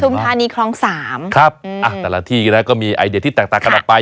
อยู่ประธุมธานีครองสามครับอ่ะแต่ละที่นะก็มีไอเดียที่ต่างต่างกันออกไปค่ะ